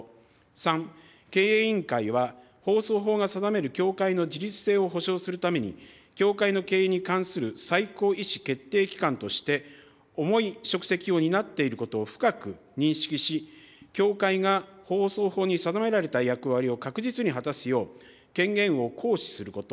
３、経営委員会は放送法が定める協会の自律性を保障するために、協会の経営に関する最高意思決定機関として、重い職責を担っていることを深く認識し、協会が放送法に定められた役割を確実に果たすよう、権限を行使すること。